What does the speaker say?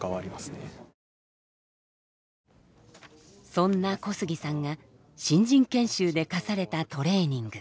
そんな小杉さんが新人研修で課されたトレーニング。